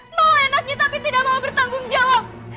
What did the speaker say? mau enaknya tapi tidak mau bertanggung jawab